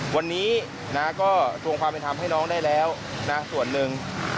วันนี้ก็ทวงความเป็นธรรมให้น้องได้แล้วนะส่วนหนึ่ง